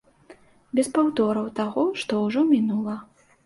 Без паўтораў таго, што ўжо мінула.